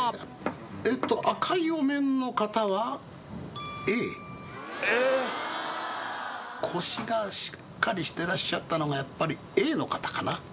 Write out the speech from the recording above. えっと赤いお面の方はＡええー腰がしっかりしてらっしゃったのがやっぱりＡの方かなふふ